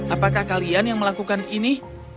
apakah kalian yang melakukan ini